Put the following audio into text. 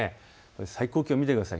最高気温を見てください。